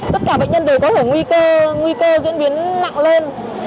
tất cả bệnh nhân đều có hưởng nguy cơ diễn biến nặng lên